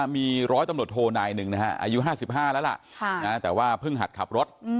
มีร้อยตำรวจโทนาย๑อายุ๕๕แล้วและผึ้งหัดขับรถ